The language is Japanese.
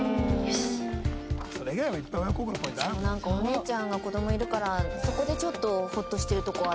うちもお姉ちゃんが子供いるからそこでちょっとホッとしてるとこあるかな。